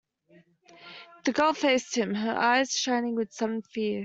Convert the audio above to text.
The girl faced him, her eyes shining with sudden fear.